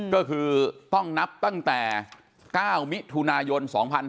ก็คือต้องนับตั้งแต่๙มิถุนายน๒๕๕๙